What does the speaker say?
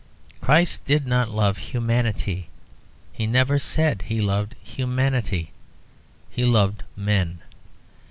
Christ did not love humanity; He never said He loved humanity; He loved men.